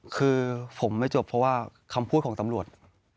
คือผมไม่จบเพราะว่าคำพูดของตำรวจ